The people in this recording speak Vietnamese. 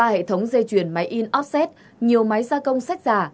ba hệ thống dây chuyển máy in offset nhiều máy gia công sách giả